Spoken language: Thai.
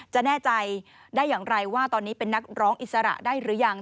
แน่ใจได้อย่างไรว่าตอนนี้เป็นนักร้องอิสระได้หรือยัง